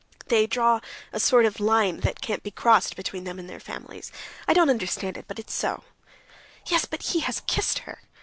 They draw a sort of line that can't be crossed between them and their families. I don't understand it, but it is so." "Yes, but he has kissed her...."